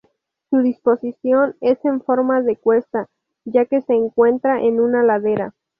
Su disposición es en forma de cuesta, ya que se encuentra en una ladera.